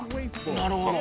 なるほど。